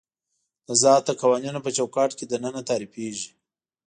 د ذات د قوانینو په چوکاټ کې دننه تعریفېږي.